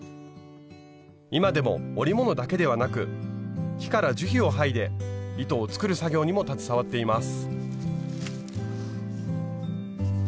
今でも織物だけではなく木から樹皮を剥いで糸を作る作業にも携わっています。